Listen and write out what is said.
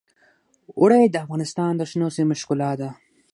اوړي د افغانستان د شنو سیمو ښکلا ده.